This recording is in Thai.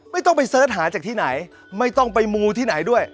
ไม่ต้องไปเสิร์ชหาจากที่ไหนไม่ต้องไปมูที่ไหนด้วย